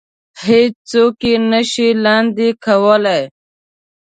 هېڅ څوک يې نه شي لاندې کولی.